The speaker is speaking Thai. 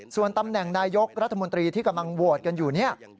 ส่วนตำแหน่งนายกรัฐมนตรีที่กำลังโหวตกันอยู่เนี่ย